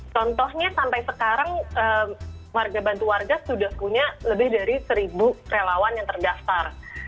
contohnya sampai sekarang warga bantu warga sudah punya lebih dari seribu relawan yang terdaftar